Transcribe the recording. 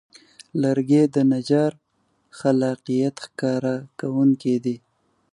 لرګی د نجار د خلاقیت ښکاره کوونکی دی.